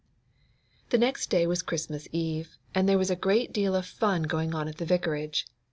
The next day was Christmas Eve, and there was a great deal of fun going on at the Vicarage.